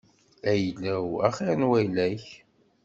Ayla-w axir n wayla-k.